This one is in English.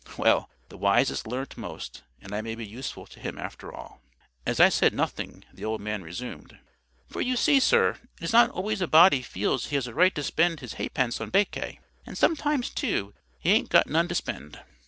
Well, the wisest learn most, and I may be useful to him after all." As I said nothing, the old man resumed— "For you see, sir, it is not always a body feels he has a right to spend his ha'pence on baccay; and sometimes, too, he aint got none to spend."